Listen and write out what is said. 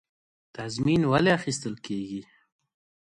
تضمین ولې اخیستل کیږي؟